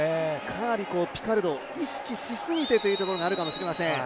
かなりピカルドを意識しすぎてというところがあるかもしれません。